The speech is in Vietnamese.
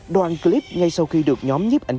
đoàn clip ngay sau khi được nhóm nhíp ảnh